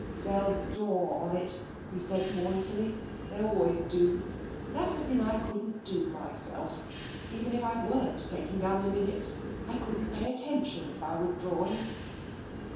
" They'll draw on it," he said mournfully. " They always do. That's a thing I couldn't do myself, even if I weren't taking down the Minutes. I couldn't pay attention if I were drawing."